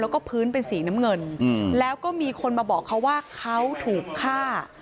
แล้วก็พื้นเป็นสีน้ำเงินแล้วก็มีคนมาบอกเขาว่าเขาถูกฆ่า